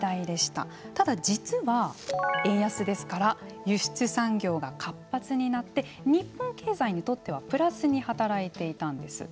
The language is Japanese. ただ、実は円安ですから輸出産業が活発になって日本経済にとってはプラスに働いていたんです。